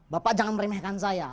bapak jangan meremehkan saya